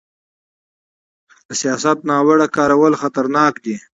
د سیاست ناوړه کارول خطرناک دي